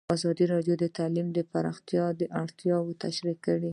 ازادي راډیو د تعلیم د پراختیا اړتیاوې تشریح کړي.